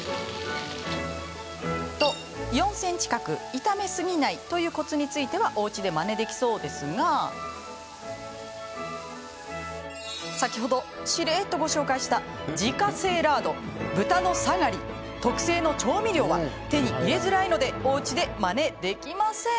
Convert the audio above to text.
と、４ｃｍ角、炒めすぎないというコツについてはおうちで、まねできそうですが先ほど、しれっとご紹介した自家製ラード、豚のサガリ特製の調味料は手に入れづらいのでおうちで、まねできません。